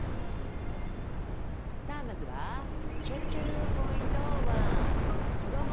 さあまずはちぇるちぇるポイント